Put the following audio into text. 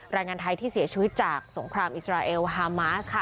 แรงงานไทยที่เสียชีวิตจากสงครามอิสราเอลฮามาสค่ะ